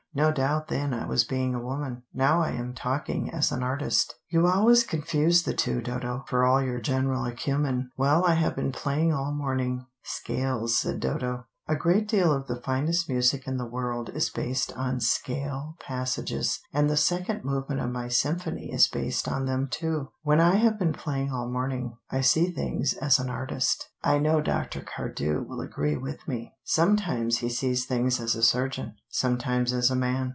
No doubt then I was being a woman, now I am talking as an artist. You always confuse the two, Dodo, for all your general acumen. When I have been playing all morning " "Scales," said Dodo. "A great deal of the finest music in the world is based on scale passages, and the second movement of my symphony is based on them too. When I have been playing all morning, I see things as an artist. I know Dr. Cardew will agree with me: sometimes he sees things as a surgeon, sometimes as a man.